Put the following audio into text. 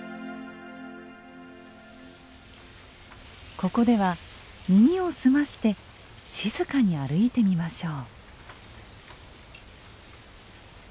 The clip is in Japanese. ここでは耳を澄まして静かに歩いてみましょう。